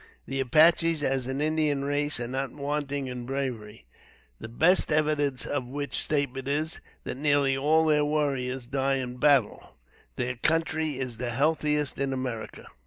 The Apaches, as an Indian race, are not wanting in bravery, the best evidence of which statement is, that nearly all their warriors die in battle. Their country is the healthiest in America.